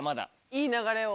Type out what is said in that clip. いい流れを。